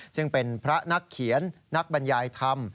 ซึ่งเป็นพระนักเขียนนักบรรยายธรรม